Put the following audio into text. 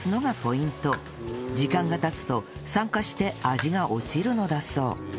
時間が経つと酸化して味が落ちるのだそう